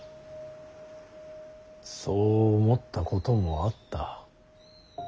そう思ったこともあった。